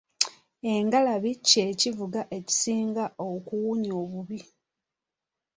Engalabi kye kivuga ekisinga okuwunya obubi.